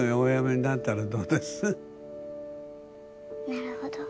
なるほど。